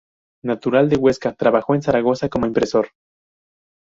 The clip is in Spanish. Natural de Huesca, trabajó en Zaragoza como impresor.